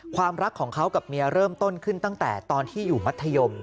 ความรักของเขากับเมียเริ่มต้นขึ้นตั้งแต่ตอนที่อยู่มัธยม